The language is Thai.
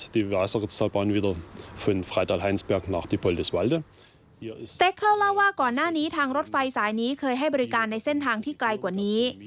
เล่าว่าก่อนหน้านี้ทางรถไฟสายนี้เคยให้บริการในเส้นทางที่ไกลกว่านี้